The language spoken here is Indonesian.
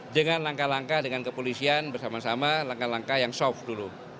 dengan langkah langkah dengan kepolisian bersama sama langkah langkah yang soft dulu